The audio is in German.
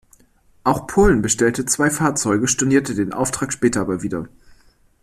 Auch Polen bestellte zwei Fahrzeuge, stornierte den Auftrag später aber wieder.